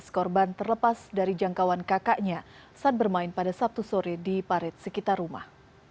korban terlepas dari jangkauan kakaknya saat bermain pada sabtu sore di parit sekitar rumah